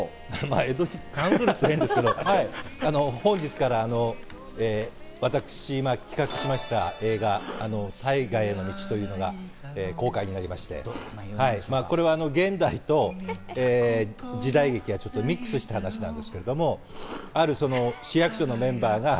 江戸に関するって言ったら変ですけど、本日から私が企画しました映画『大河への道』というのが公開になりまして、これは現代と時代劇がちょっとミックスした話なんですけど、ある市役所のメンバーが。